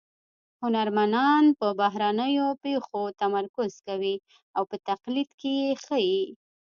هنرمنان پر بهرنیو پېښو تمرکز کوي او په تقلید کې یې ښيي